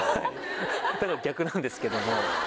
だから逆なんですけども。